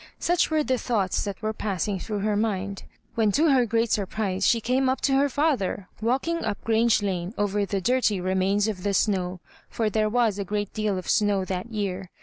Such were the thoughts that were passing through her mind, when to her great surprise, she came up to her &ther, walking up Grange Lane over the dirty remains of the snow — for there was a great deal of snow that year.